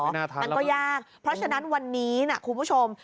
ไม่น่าทันแล้วกันมันก็ยากเพราะฉะนั้นวันนี้นะคุณผู้ชม